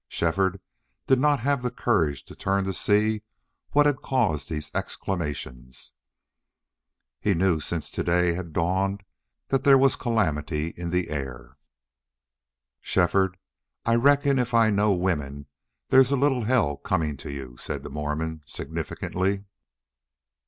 Shefford did not have the courage to turn to see what had caused these exclamations. He knew since today had dawned that there was calamity in the air. "Shefford, I reckon if I know women there's a little hell coming to you," said the Mormon, significantly.